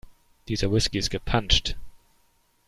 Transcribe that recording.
Dieser Whisky ist gepanscht.